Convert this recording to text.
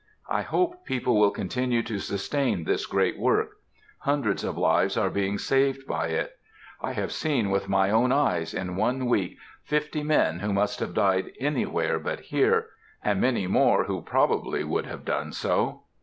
I hope people will continue to sustain this great work. Hundreds of lives are being saved by it. I have seen with my own eyes, in one week, fifty men who must have died anywhere but here, and many more who probably would have done so.